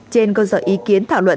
trên cơ sở ý kiến thảo luận